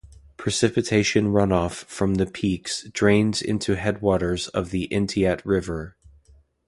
Precipitation runoff from the peaks drains into headwaters of the Entiat River.